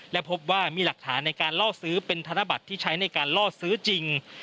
และพบว่ามีหลักฐานในการล่อซื้อเป็นธนบัตรที่ใช้ในการล่อซื้อจริง